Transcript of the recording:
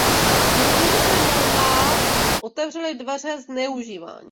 Nyní jsme možná otevřeli dveře zneužívání.